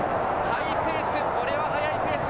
ハイペース。